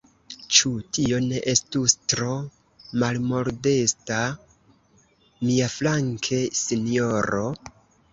Ĉu tio ne estus tro malmodesta miaflanke, sinjoro?